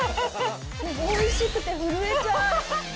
おいしくて震えちゃう。